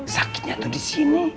sakitnya tuh di sini